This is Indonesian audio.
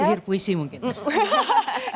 sihir puisi mungkin